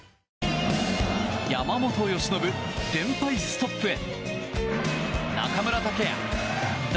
山本由伸、連敗ストップへ！